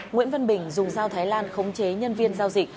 nguyễn văn bình dùng dao thái lan khống chế nhân viên giao dịch